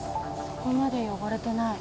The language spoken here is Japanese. そこまで汚れてない。